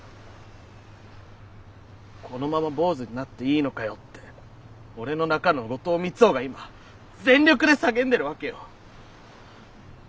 このまま坊主になっていいのかよって俺の中の後藤三生が今全力で叫んでるわげよ。